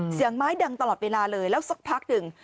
เสียงไม้ดังตลอดเวลาเลยแล้วสักพักหนึ่ง